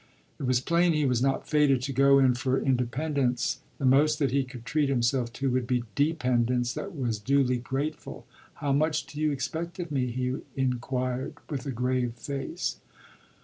It was plain he was not fated to go in for independence; the most that he could treat himself to would be dependence that was duly grateful "How much do you expect of me?" he inquired with a grave face.